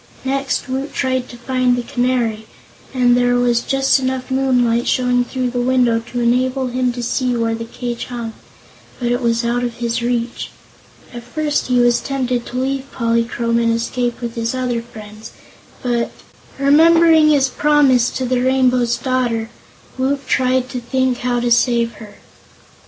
Next, Woot tried to find the Canary, and there was just enough moonlight showing through the window to enable him to see where the cage hung; but it was out of his reach. At first he was tempted to leave Polychrome and escape with his other friends, but remembering his promise to the Rainbow's Daughter Woot tried to think how to save her.